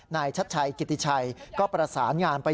ชัดชัยกิติชัยก็ประสานงานไป